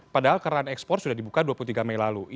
padahal keran ekspor sudah dibuka dua puluh tiga mei lalu